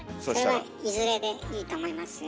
それはいずれでいいと思いますよ。